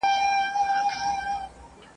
سر پر سر یې ترېنه وکړلې پوښتني `